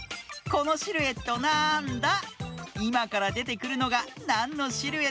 このシルエットなんだ？